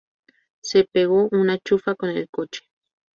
Se pegó una chufa con el coche